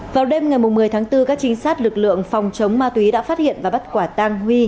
vào đêm ngày một mươi tháng bốn các trinh sát lực lượng phòng chống ma túy đã phát hiện và bắt quả tang huy